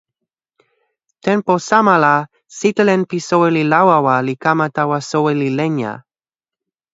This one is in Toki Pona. tenpo sama la, sitelen pi soweli Lawawa li kama tawa soweli Lenja.